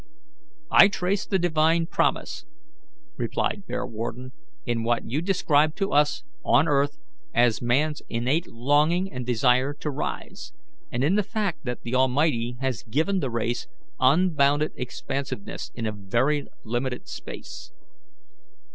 "I trace the Divine promise," replied Bearwarden, "in what you described to us on earth as man's innate longing and desire to rise, and in the fact that the Almighty has given the race unbounded expansiveness in very limited space.